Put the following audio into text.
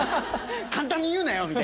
簡単に言うなよ！